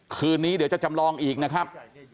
คืนนี้เดี๋ยวจะจำลองอีกนะครับ